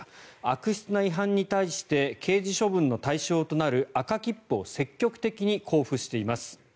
悪質な違反に対して刑事処分の対象となる赤切符を積極的に交付しています。